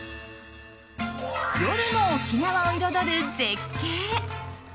夜の沖縄を彩る絶景。